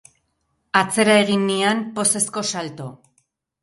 Atzera egin nian pozezko salto.